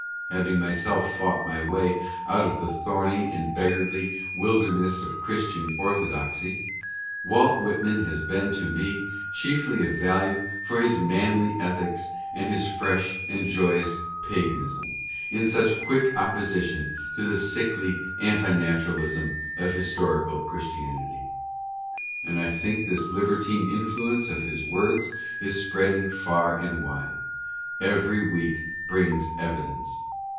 Having myself fought my way out of the thorny and beg garly wilderness of Christian "orthodoxy," Walt Whitman has been to me chiefly of value for his manly ethics and his fresh and joyous paganism — in such quick opposition to the sickly anti naturalism of historical Christianity. And I think this liberative influence of his words is spreading far and wide. Every week brings evidence.